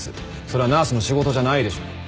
それはナースの仕事じゃないでしょ。